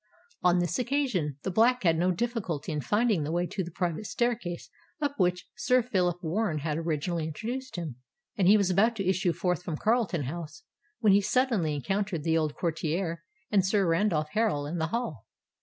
On this occasion, the Black had no difficulty in finding the way to the private staircase up which Sir Phillip Warren had originally introduced him; and he was about to issue forth from Carlton House, when he suddenly encountered that old courtier and Sir Randolph Harral in the hall.